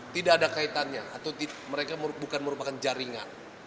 tidak ada kaitannya atau mereka bukan merupakan jaringan